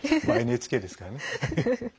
ＮＨＫですからね。